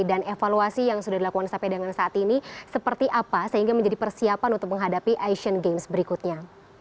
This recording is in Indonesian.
dan evaluasi yang sudah dilakukan sampai dengan saat ini seperti apa sehingga menjadi persiapan untuk menghadapi asian games berikutnya